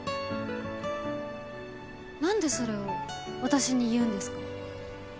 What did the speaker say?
なんでそれを私に言うんですか？